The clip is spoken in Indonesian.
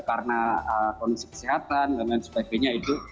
karena kondisi kesehatan dan sebagainya itu